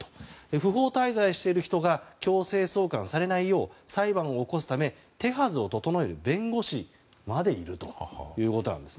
不法滞在している人が強制送還されないよう裁判を起こすため手はずを整える弁護士までいるということなんです。